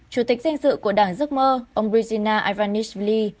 chủ tịch danh dự của đảng giấc mơ ông brigida ivanich vili